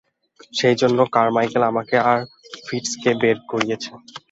সেজন্যই কারমাইকেল আমাকে আর ফিটজকে বের করিয়েছে।